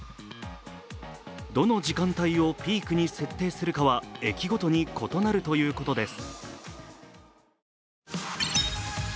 どの時間帯をピークに設定するかは駅ごとに異なるということです。